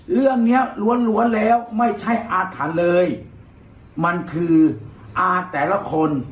เรื่องเนี้ยล้วนล้วนแล้วไม่ใช่อาถรรพ์เลยมันคืออาแต่ละคน